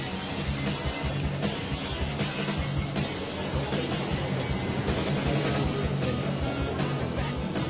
เวลาที่มันได้รู้จักกันแล้วเวลาที่ไม่รู้จักกัน